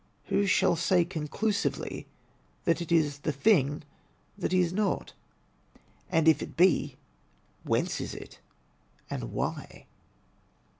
Who shall say conclusively that it is the thing that is not? And if it be, whence is it, and why?